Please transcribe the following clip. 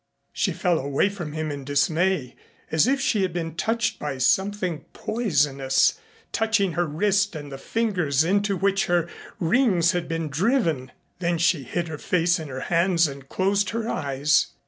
She fell away from him in dismay, as if she had been touched by something poisonous, touching her wrist and the fingers into which her rings had been driven. Then she hid her face in her hands and closed her eyes.